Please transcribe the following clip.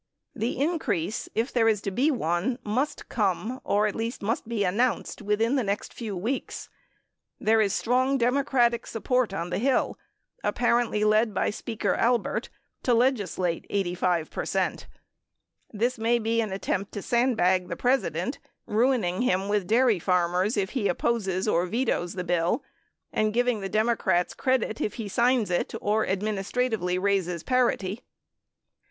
The increase — if there is to be one — must come, or at least be announced, within the next few weeks. There is strong Demo cratic support on the Hill, apparently led by Speaker Albert, to legislate 85 percent. This may be in attempt to sandbag the President, ruining him with dairy farmers if he opposes or vetoes the bill, giving the Democrats credit if he signs it or administratively raises parity.